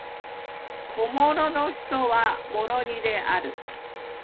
コモロの首都はモロニである